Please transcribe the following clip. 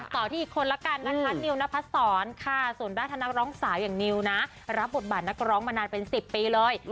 ต่อที่อีกคนละกันนะคะนิวนพัดศรค่ะส่วนด้านธนักร้องสาวอย่างนิวนะรับบทบาทนักร้องมานานเป็น๑๐ปีเลย